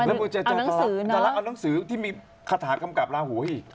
เอานังสือเนอะเอานังสือที่มีคาถากำกับลาหูอีก